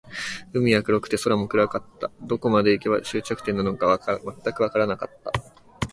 海は黒くて、空も黒かった。どこまで行けば、終着点なのか全くわからなかった。